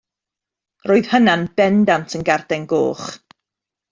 Roedd hynna'n bendant yn garden goch.